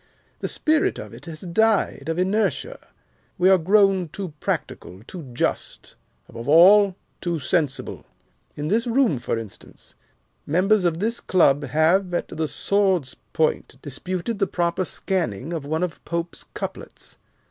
The spirit of it has died of inertia. We are grown too practical, too just, above all, too sensible. In this room, for instance, members of this Club have, at the sword's point, disputed the proper scanning of one of Pope's couplets.